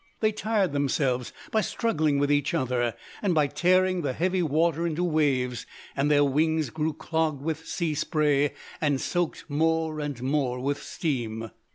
They tired themselves by struggling with each other, and by tearing the heavy water into waves; and their wings grew clogged with sea spray, and soaked more and more with steam.